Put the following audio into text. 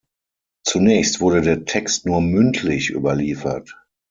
Zunächst wurde der Text nur mündlich überliefert.